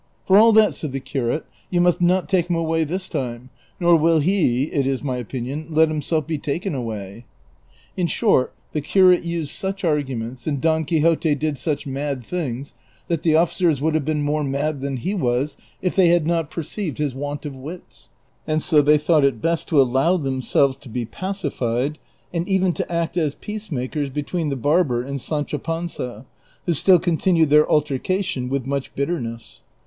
" For all that," said the curate, " you must not take hini away this time, nor will he, it is my opinion, let himself be taken away." In short, the curate used such arguments, and Don Quixote did such mad things, that the officers would have been more mad than he was if they had not perceived his want of wits, and so they thought it best to allow themselves to be pacified, and even to act as peacemakers between the barber and Sancho Panza, who still continued their altercation with much bitter ness.